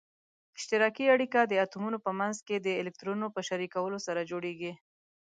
اشتراکي اړیکه د اتومونو په منځ کې د الکترونونو په شریکولو سره جوړیږي.